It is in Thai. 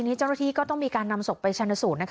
ทีนี้เจ้าหน้าทีก็ต้องมีการนำศพไปชนศูนย์